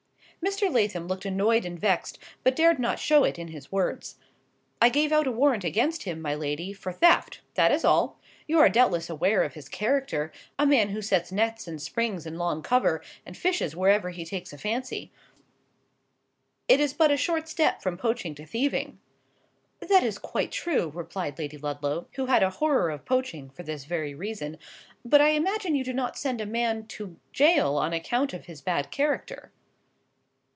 Mr. Lathom looked annoyed and vexed, but dared not show it in his words. "I gave out a warrant against him, my lady, for theft,—that is all. You are doubtless aware of his character; a man who sets nets and springes in long cover, and fishes wherever he takes a fancy. It is but a short step from poaching to thieving." "That is quite true," replied Lady Ludlow (who had a horror of poaching for this very reason): "but I imagine you do not send a man to gaol on account of his bad character."